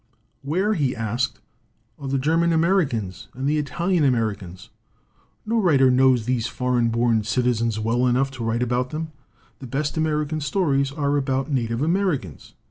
" Where," he asked, "are the German Americans and the Italian Americans? No writer knows these foreign born citizens well enough to write about them. The best American stories are about native Americans.